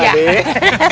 iya pak d